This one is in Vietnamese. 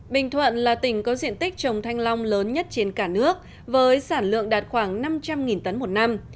bình thuận là tỉnh có diện tích trồng thanh long lớn nhất trên cả nước với sản lượng đạt khoảng năm trăm linh tấn một năm